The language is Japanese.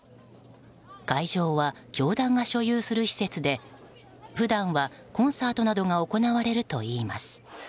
会場は教団が所有する施設で普段はコンサートなどが行われるといいます。